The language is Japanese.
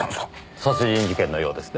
殺人事件のようですね。